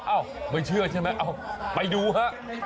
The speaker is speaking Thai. เอ้าไม่เชื่อใช่ไหมเอาไปดูฮะ